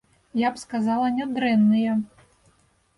Я б сказала, нядрэнныя!